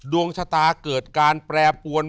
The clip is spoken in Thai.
ดวงชะตาเกิดการแปรปวน